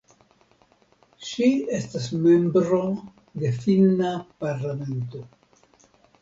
Ŝi estas membro de finna parlamento.